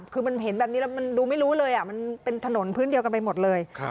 คือมันเห็นแบบนี้แล้วมันดูไม่รู้เลยมันเป็นถนนพื้นเดียวกันไปหมดเลย